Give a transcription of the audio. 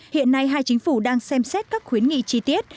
hiện nay hai chính phủ đang xem xét các khuyến nghị chi tiết